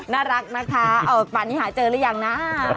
น่ารักนะคะป่านนี้หาเจอหรือยังนะ